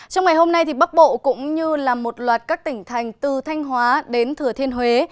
trong ngày hôm nay bắc bộ cũng như là một loạt các tỉnh thành từ thanh hóa đến thừa thiên huế